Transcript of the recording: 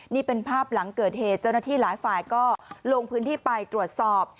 นี่เป็นภาพหลังเกิดเหตุเจ้าหน้าที่หลายฝ่ายก็ลงพื้นที่ไปตรวจสอบ